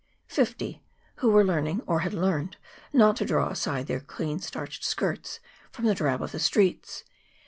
Fifty who were learning or had learned not to draw aside their clean starched skirts from the drab of the streets.